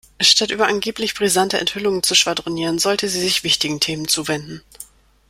Statt über angeblich brisante Enthüllungen zu schwadronieren, sollte sie sich wichtigen Themen zuwenden.